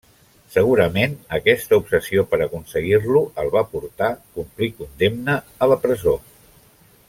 Segurament aquesta obsessió per aconseguir-lo el va portar complir condemna a la presó.